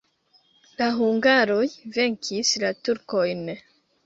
La hungaroj venkis la turkojn.